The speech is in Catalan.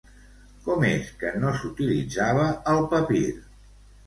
Com és que no s'utilitzava el papir?